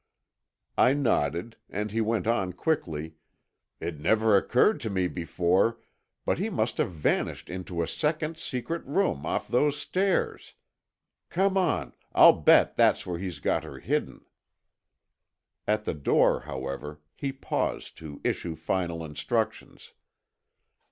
I nodded, and he went on quickly, "It never occurred to me before, but he must have vanished into a second secret room off those stairs. Come on, I'll bet that's where he's got her hidden." At the door, however, he paused to issue final instructions.